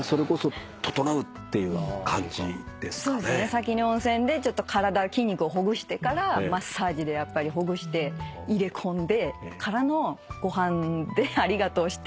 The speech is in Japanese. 先に温泉で体筋肉をほぐしてからマッサージでほぐして入れ込んでからのご飯でありがとうして。